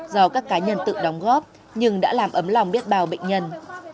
do các cá nhân tự đóng góp nhưng đã làm ấm lòng biết bao bệnh nhân